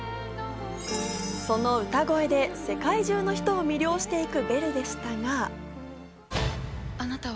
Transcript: その歌声で世界中の人を魅了していくベルでしたが。